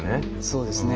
そうですね。